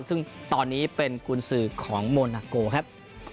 ซึ่งตอนนี้เป็นกุญสือของโมนาโกครับ